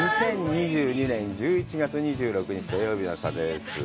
２０２２年１１月２６日土曜日の朝です。